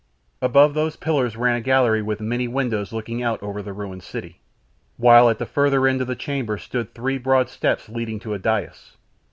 Above those pillars ran a gallery with many windows looking out over the ruined city. While at the further end of the chamber stood three broad steps leading to a dais.